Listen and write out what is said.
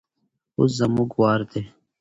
اوس زموږ وار دی.